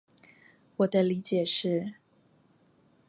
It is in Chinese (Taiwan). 我的理解是